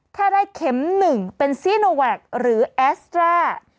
ถ้าได้เข็ม๑เป็นซีโนแวคหรือแอสตรา